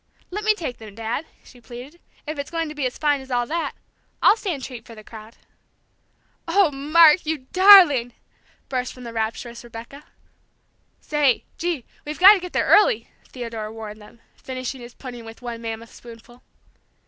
"Let me take them, Dad," she pleaded, "if it's going to be as fine as all that! I'll stand treat for the crowd." "Oh, Mark, you darling!" burst from the rapturous Rebecca. "Say, gee, we've got to get there early!" Theodore warned them, finishing his pudding with one mammoth spoonful.